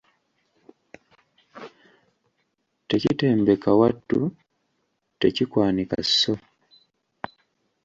Tekitembeka wattu tekikwanika sso.